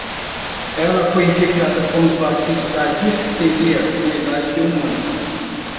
Ela foi infectada com bacilos da difteria com a idade de um ano.